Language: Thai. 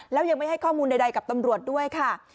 แล้วยังไม่ให้ข้อมูลใดกับตำรวจด้วยค่ะ